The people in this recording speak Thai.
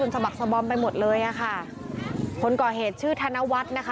สมัครสบอมไปหมดเลยอ่ะค่ะคนก่อเหตุชื่อธนวัฒน์นะคะ